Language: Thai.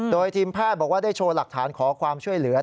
โดยทีมแพทย์บอกว่าได้โชว์หลักฐานขอความช่วยเหลือ